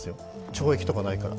懲役とかないから。